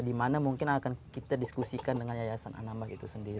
di mana mungkin akan kita diskusikan dengan yayasan anambas itu sendiri